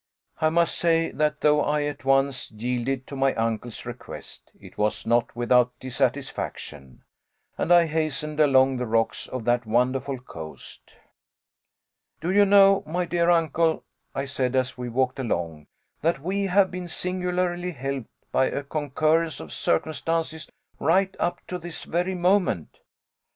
I must say that though I at once yielded to my uncle's request, it was not without dissatisfaction, and I hastened along the rocks of that wonderful coast. "Do you know, my dear uncle," I said, as we walked along, "that we have been singularly helped by a concurrence of circumstances, right up to this very moment."